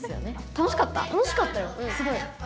楽しかったよすごい。